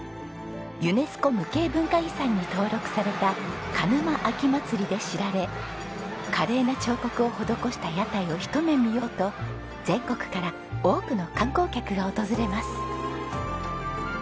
ユネスコ無形文化遺産に登録された鹿沼秋まつりで知られ華麗な彫刻を施した屋台を一目見ようと全国から多くの観光客が訪れます。